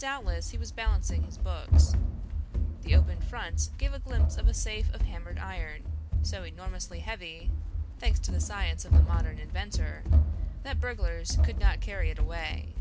Doubtless he was balancing his books. The open front gave a glimpse of a safe of hammered iron, so enormously heavy (thanks to the science of the modern inventor) that burglars could not carry it away.